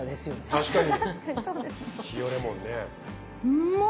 確かに。